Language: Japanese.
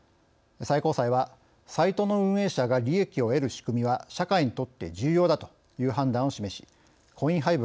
最高裁は、サイトの運営者が利益を得る仕組みは社会にとって重要だという判断を示しコイン